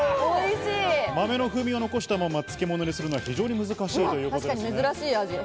豆の風味を残したまま漬物にするのは難しいということです。